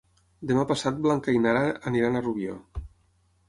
Demà passat na Blanca i na Nara iran a Rubió.